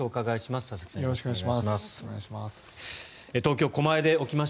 よろしくお願いします。